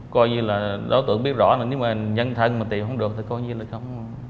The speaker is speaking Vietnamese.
coi như là đối tượng biết rõ nhưng mà nhân thân mà tìm không được thì coi như là không